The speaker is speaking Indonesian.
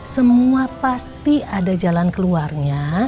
semua pasti ada jalan keluarnya